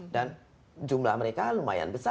dan jumlah mereka lumayan besar